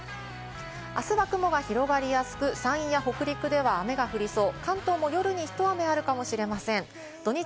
明日は雲が広がりやすく、山陰や北陸では雨が降りそう。